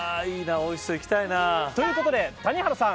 おいしそう、行きたいな。ということで、谷原さん